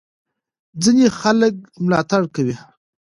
ځینې خلک ملاتړ کوي.